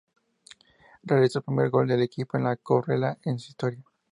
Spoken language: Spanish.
Realizó el primer gol del equipo de Cobreloa en su historia.